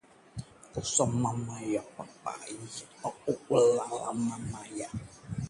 भारत-पाक match के रोमांच से एक दर्शक की मौत